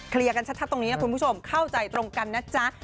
เคลียร์กันชัดตรงนี้คุณผู้ชมเข้าใจตรงกันนะจ๊ะ